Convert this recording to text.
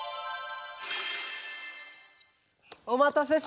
おまたせしました！